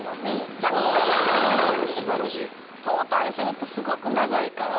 トータルするとすごく長いから。